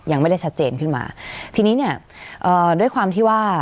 ยังไม่ได้ชัดเจนขึ้นมาทีนี้เนี่ยเอ่อด้วยความที่ว่า